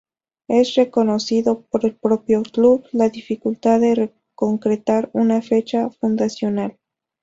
Es reconocido por el propio club, la dificultad de concretar una fecha fundacional.